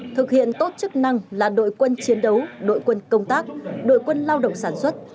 thực hiện tốt chức năng là đội quân chiến đấu đội quân công tác đội quân lao động sản xuất